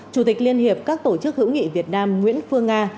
chủ tịch liên hiệp các tổ chức hữu nghị việt nam nguyễn phương nga